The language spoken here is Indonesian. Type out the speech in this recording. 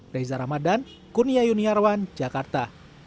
reza ramadan kurnia yuniarwan jakarta